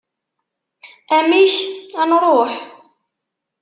Amek? ad nruḥ ?